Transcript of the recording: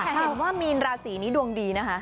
แค่เห็นว่ามีนราศรีนี้ดวงดีนะคะ